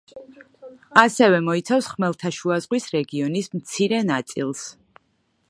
ასევე მოიცავს ხმელთაშუაზღვის რეგიონის მცირე ნაწილს.